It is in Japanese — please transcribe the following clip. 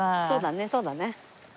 そうだねそうだね。